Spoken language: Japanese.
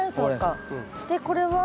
でこれは？